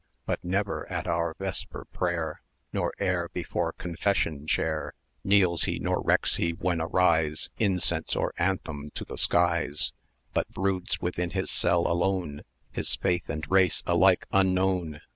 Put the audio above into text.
But never at our Vesper prayer, Nor e'er before Confession chair Kneels he, nor recks he when arise Incense or anthem to the skies, But broods within his cell alone, His faith and race alike unknown.